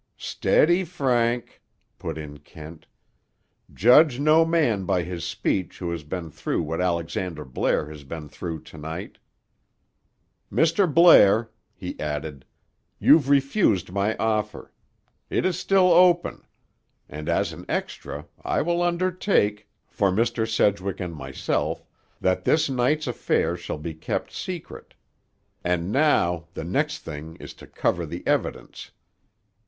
"Steady, Frank," put in Kent. "Judge no man by his speech who has been through what Alexander Blair has been through to night. Mr. Blair," he added, "you've refused my offer. It is still open. And as an extra, I will undertake, for Mr. Sedgwick and myself, that this night's affair shall be kept secret. And now, the next thing is to cover the evidence.